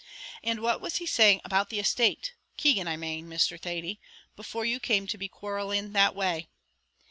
"And what was he saying about the estate, Keegan, I main, Mr. Thady, before you came to be quarrelling that way?"